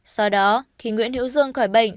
sau đó khi nguyễn hữu dương khỏi bệnh